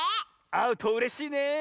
あうとうれしいねえ。